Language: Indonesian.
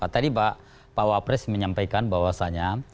tadi pak wapres menyampaikan bahwasannya